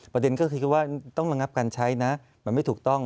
ประเด็นก็คือว่าต้องระงับการใช้นะมันไม่ถูกต้อง